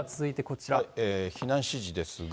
避難指示ですが。